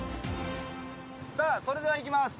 さあそれではいきます。